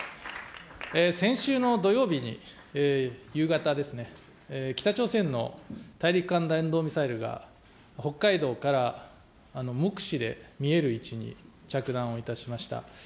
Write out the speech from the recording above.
先週の土曜日に、夕方ですね、北朝鮮の大陸間弾道ミサイルが北海道から目視で見える位置に着弾をいたしました。